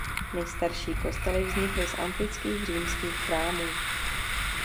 Nejstarší kostely vznikly z antických římských chrámů.